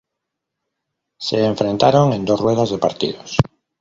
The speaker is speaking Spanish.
Se enfrentaron en dos ruedas de partidos.